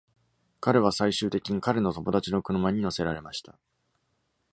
彼は最終的に彼の友達の車に乗せられました。